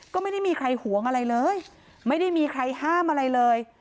ก็ไม่ได้มีใครหวงอะไรเลยไม่ได้มีใครห้ามอะไรเลย